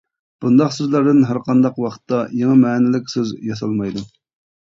بۇنداق سۆزلەردىن ھەرقانداق ۋاقىتتا يېڭى مەنىلىك سۆز ياسالمايدۇ.